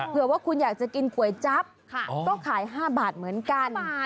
เผื่อว่าคุณอยากจะกินก๋วยจั๊บก็ขาย๕บาทเหมือนกัน